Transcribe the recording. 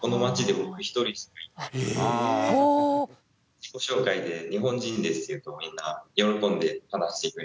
自己紹介で「日本人です」って言うとみんな喜んで話してくれますし。